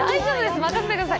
任せてください。